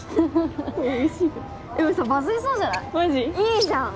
いいじゃん！